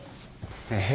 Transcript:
えっ？